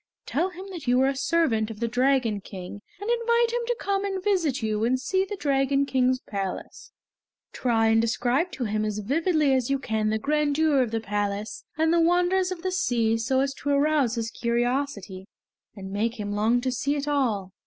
Tell him that you are a servant of the Dragon King, and invite him to come and visit you and see the Dragon King's palace. Try and describe to him as vividly as you can the grandeur of the palace and the wonders of the sea so as to arouse his curiosity and make him long to see it all!"